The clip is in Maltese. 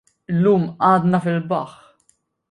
Illum għadna fil-baħħ.